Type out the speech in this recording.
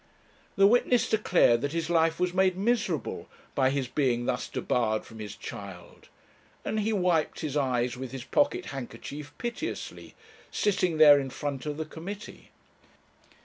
The witness declared that his life was made miserable by his being thus debarred from his child, and he wiped his eyes with his pocket handkerchief piteously, sitting there in front of the committee.